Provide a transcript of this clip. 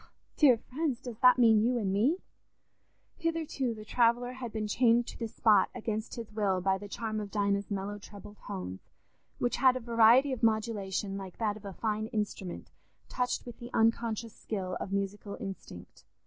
_... Ah, dear friends, does that mean you and me?" Hitherto the traveller had been chained to the spot against his will by the charm of Dinah's mellow treble tones, which had a variety of modulation like that of a fine instrument touched with the unconscious skill of musical instinct.